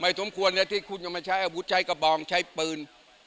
สมควรที่คุณจะมาใช้อาวุธใช้กระบองใช้ปืน